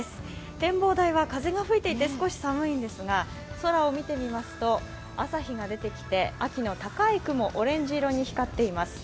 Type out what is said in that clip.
展望台は風が吹いていて、少し寒いですが、空を見てみますと、朝日が出てきて秋の高い雲、オレンジ色に光っています。